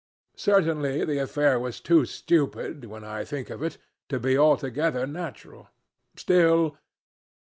Certainly the affair was too stupid when I think of it to be altogether natural. Still.